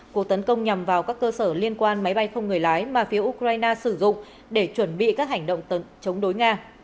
cuộc tấn công nhằm vào các cơ sở liên quan máy bay không người lái mà phía ukraine sử dụng để chuẩn bị các hành động chống đối nga